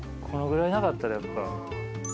このぐらいなかったらやっぱ。